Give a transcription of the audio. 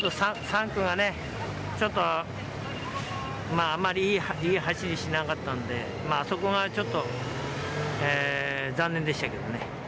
３区がね、あまりいい走りをしなかったので、そこがちょっと残念でした。